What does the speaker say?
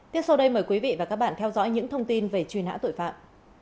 tiếp sau đây mời quý vị và các bạn theo dõi những thông tin về truy nã tội phạm